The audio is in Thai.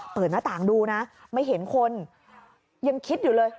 เปิดหน้าต่างดูนะไม่เห็นคนยังคิดอยู่เลย